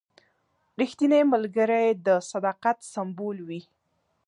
رښتینی ملګری د صداقت سمبول وي.